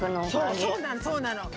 そうそうなのそうなの。